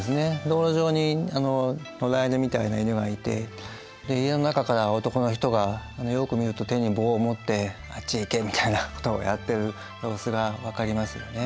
道路上に野良犬みたいな犬がいて家の中から男の人がよく見ると手に棒を持って「あっちへ行け！」みたいなことをやってる様子が分かりますよね。